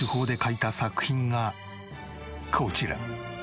がこちら。